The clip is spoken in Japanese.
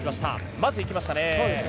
まず行きましたね。